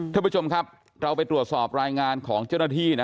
ท่านผู้ชมครับเราไปตรวจสอบรายงานของเจ้าหน้าที่นะ